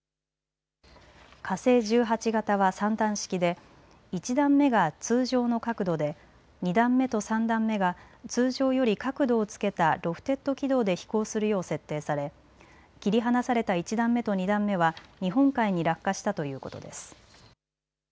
火星１８型は３段式で１段目が通常の角度で、２段目と３段目が通常より角度をつけたロフテッド軌道で飛行するよう設定され切り離された１段目と２段目は日本海に落下したということです。